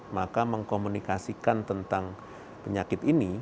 maka mengkomunikasikan tentang penyakit ini